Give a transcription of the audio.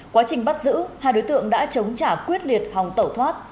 quá trình bắt giữ hai đối tượng đã chống trả quyết liệt hòng tẩu thoát